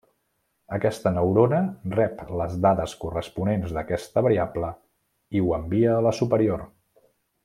Aquesta neurona rep les dades corresponents d'aquesta variable i ho envia a la superior.